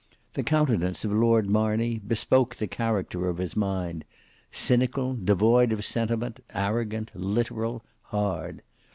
The countenance of Lord Marney bespoke the character of his mind; cynical, devoid of sentiment, arrogant, literal, hard.